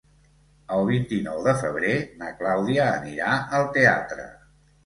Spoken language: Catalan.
El vint-i-nou de febrer na Clàudia anirà al teatre.